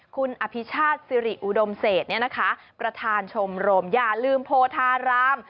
คุณอภิชาติสิริอุดมเศษประธานชมรมอย่าลืมโพธาราม